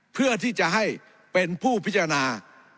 เพื่อที่จะให้เป็นผู้พิจารณา